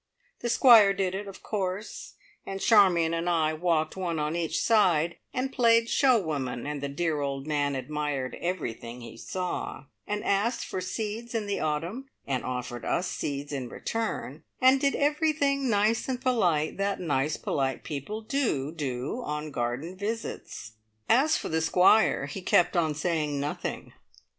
The Squire did it, of course, and Charmion and I walked one on each side and played show women, and the dear old man admired everything he saw, and asked for seeds in the autumn, and offered us seeds in return, and did everything nice and polite that nice polite people do do on garden visits. As for the Squire, he kept on saying nothing.